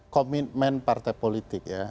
komitmen partai politik ya